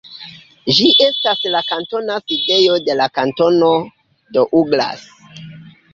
Ĝi estas la kantona sidejo de la kantono Douglas.